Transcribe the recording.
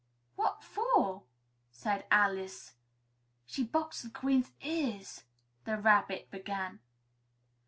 "What for?" said Alice. "She boxed the Queen's ears " the Rabbit began.